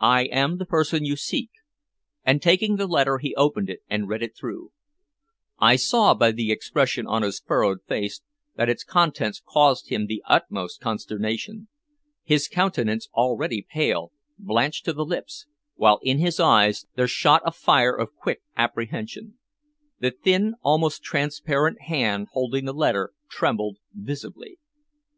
"I am the person you seek," and taking the letter he opened it and read it through. I saw by the expression on his furrowed face that its contents caused him the utmost consternation. His countenance, already pale, blanched to the lips, while in his eyes there shot a fire of quick apprehension. The thin, almost transparent hand holding the letter trembled visibly.